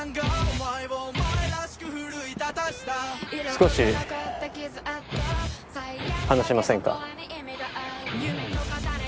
少し話しませんか？